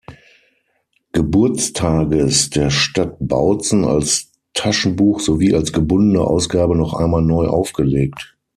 Geburtstages der Stadt Bautzen als Taschenbuch sowie als gebundene Ausgabe noch einmal neu aufgelegt.